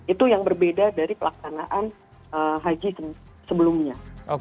itu yang berbeda dari pelaksanaan haji sebelumnya